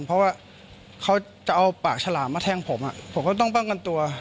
เพราะว่าเขาจะเอาปากฉลามมาแทงผมผมก็ต้องป้องกันตัว